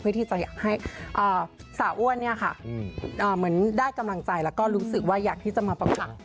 เพื่อที่จะให้สาวอ้วนเนี่ยค่ะเหมือนได้กำลังใจแล้วก็รู้สึกว่าอยากที่จะมาประกวด